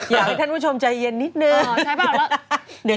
อยากให้ท่านผู้ชมใจเย็นนิดหนึ่ง